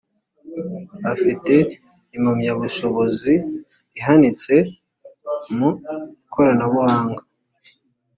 afite impamyabushobozi ihanitse mu ikoranabuhanga